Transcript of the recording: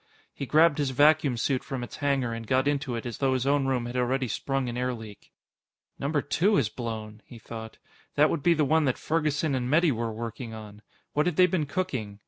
He grabbed his vacuum suit from its hanger and got into it as though his own room had already sprung an air leak. Number Two has blown! he thought. That would be the one that Ferguson and Metty were working on. What had they been cooking?